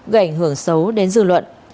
gây ảnh hưởng xấu đến dư luận